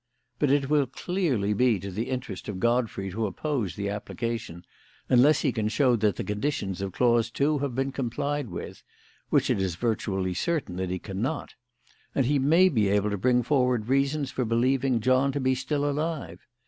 But it will clearly be to the interest of Godfrey to oppose the application, unless he can show that the conditions of clause two have been complied with which it is virtually certain that he can not; and he may be able to bring forward reasons for believing John to be still alive.